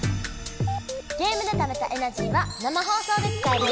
ゲームでためたエナジーは生放送で使えるよ！